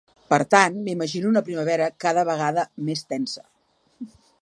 Per tant, m’imagino una primavera cada vegada més tensa.